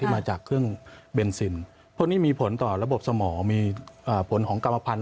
มาจากเครื่องเบนซินพวกนี้มีผลต่อระบบสมองมีผลของกรรมพันธ